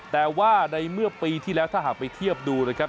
แต่ว่าในเมื่อปีที่แล้วถ้าหากไปเทียบดูนะครับ